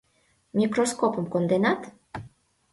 — Микроскопым конденат?